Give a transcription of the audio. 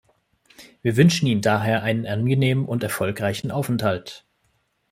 Wir wünschen Ihnen daher einen angenehmen und erfolgreichen Aufenthalt.